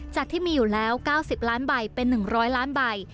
ที่มีอยู่แล้ว๙๐ล้านใบเป็น๑๐๐ล้านใบ